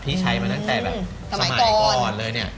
ที่ใช้มาตั้งแต่แบบสมัยก่อนเลยเนี่ย